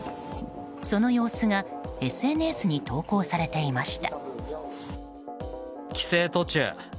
その様子がＳＮＳに投稿されていました。